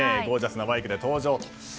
ゴージャスなバイクで登場と。